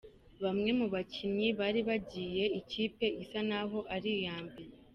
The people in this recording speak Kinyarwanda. Bamwe mu bakinnyi bari bagiye ikipe isa n'aho ari iya mbere.